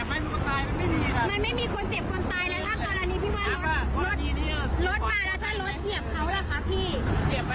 เผ็ดไม๊เจ็บไม๊เจ็บแค่นี้ที่พูดได้ยังไงนะเห็นเจ็บตัว